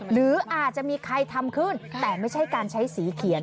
หรืออาจจะมีใครทำขึ้นแต่ไม่ใช่การใช้สีเขียน